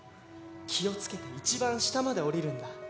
気をつけて一番下まで下りるんだ。